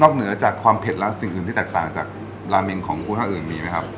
เหนือจากความเผ็ดแล้วสิ่งอื่นที่แตกต่างจากราเมงของกุท่าอื่นมีไหมครับ